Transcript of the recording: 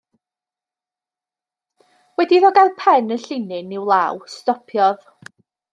Wedi iddo gael pen y llinyn i'w law, stopiodd.